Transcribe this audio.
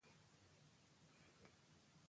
د افغانستان لویدیځ ته ایران پروت دی